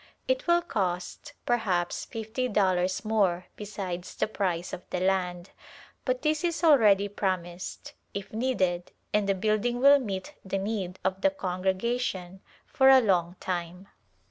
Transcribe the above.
It will cost perhaps fifty dollars more besides the price of the land, but this is already prom ised, if needed, and the building will meet the need of the congregation for a long time.